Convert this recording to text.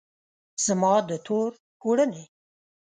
زما د تور پوړنې